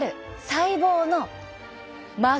細胞の膜？